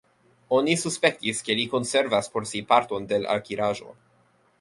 Oni suspektis, ke li konservas por si parton de l' akiraĵo.